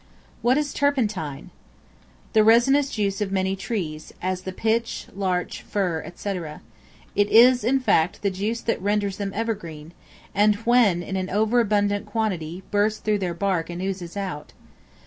What is Turpentine? The resinous juice of many trees, as the pine, larch, fir, &c. it is, in fact, the juice that renders them evergreen, and when in an over abundant quantity, bursts through their bark, and oozes out.